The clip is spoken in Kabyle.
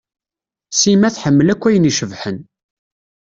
Sima tḥemmel akk ayen icebḥen.